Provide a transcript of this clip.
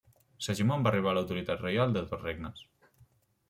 Segimon va arribar l'autoritat reial de dos regnes: